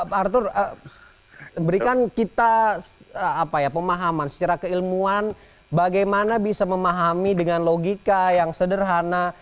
pak arthur berikan kita pemahaman secara keilmuan bagaimana bisa memahami dengan logika yang sederhana